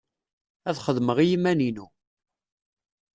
Ad xedmeɣ i yiman-inu.